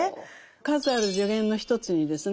数ある助言の一つにですね